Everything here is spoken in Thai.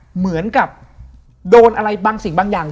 เหมือนกับโดนอะไรบางสิ่งบางอย่าง